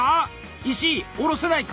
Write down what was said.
石井下ろせないか？